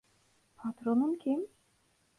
Patronun kim?